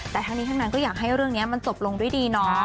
แต่ทั้งนี้ทั้งนั้นก็อยากให้เรื่องนี้มันจบลงด้วยดีเนาะ